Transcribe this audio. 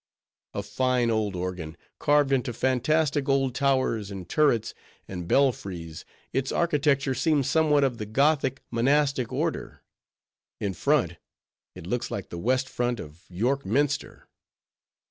A fine old organ! carved into fantastic old towers, and turrets, and belfries; its architecture seems somewhat of the Gothic, monastic order; in front, it looks like the West Front of York Minster.